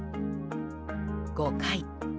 ５回。